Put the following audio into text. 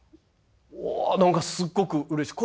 お何かすっごくうれしい。